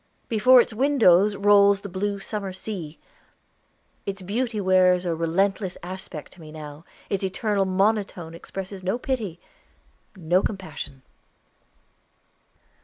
Before its windows rolls the blue summer sea. Its beauty wears a relentless aspect to me now; its eternal monotone expresses no pity, no compassion.